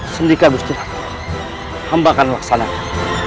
sendika bistri pradu hambakan waksananya